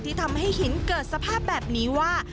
ทำให้หินเกิดสภาพแบบนี้ว่า